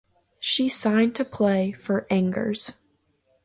She signed to play for Angers.